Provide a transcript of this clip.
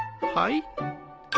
はい？